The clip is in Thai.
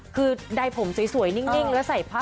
คือใดผมสวยนิ่งแล้วใส่ผ้า